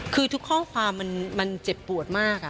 คือทุกข้อความมันเจ็บปวดมาก